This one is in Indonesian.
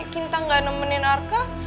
kinta gak nemenin arka